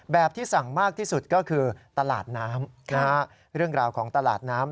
ที่สั่งมากที่สุดก็คือตลาดน้ำเรื่องราวของตลาดน้ำ